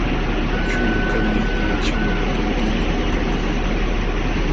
Chulu kalmi aqchanwan linlinta pakakun.